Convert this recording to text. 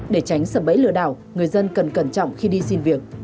để tránh sập bẫy lừa đảo người dân cần cẩn trọng khi đi xin việc